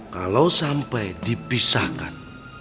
kalau sampai dipisahkan